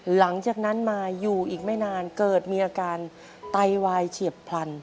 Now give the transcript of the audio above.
หลังจากนั้นมาอยู่อีกไม่นานเกิดมีอาการไตวายเฉียบพลัน